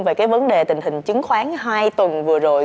về cái vấn đề tình hình chứng khoán hai tuần vừa rồi